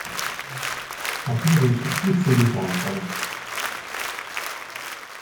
Patire il supplizio di Tantalo.